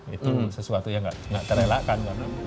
itu sesuatu yang tidak terelakkan